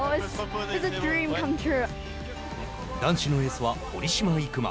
男子のエースは堀島行真。